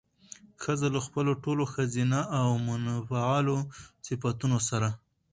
ښځه له خپلو ټولو ښځينه او منفعلو صفتونو سره